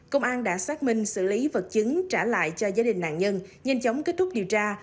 công an đã xác minh xử lý vật chứng trả lại cho gia đình nạn nhân nhanh chóng kết thúc điều tra